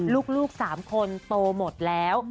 ลูก๓คนโตหมดแล้ว